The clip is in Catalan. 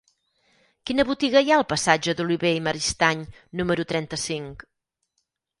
Quina botiga hi ha al passatge d'Olivé i Maristany número trenta-cinc?